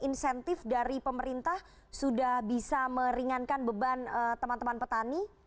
insentif dari pemerintah sudah bisa meringankan beban teman teman petani